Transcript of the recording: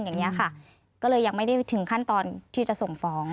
อย่างนี้ค่ะก็เลยยังไม่ได้ถึงขั้นตอนที่จะส่งฟ้อง